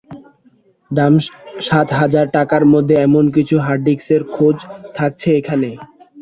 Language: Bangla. দাম সাত হাজার টাকার মধ্যে এমন কিছু হার্ডডিস্কের খোঁজ থাকছে এখানে।